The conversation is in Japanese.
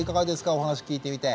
お話聞いてみて。